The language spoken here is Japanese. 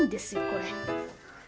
これ。